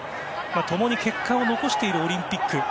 共に結果を残しているオリンピック。